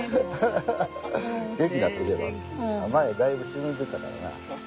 前だいぶ沈んでたからな。